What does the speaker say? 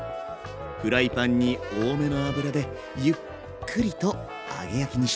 フライパンに多めの油でゆっくりと揚げ焼きにしていくんだ。